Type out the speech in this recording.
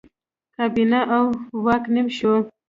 کابینه او واک نیم شو.